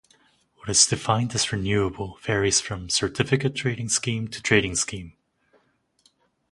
What is defined as "renewable" varies from certificate trading scheme to trading scheme.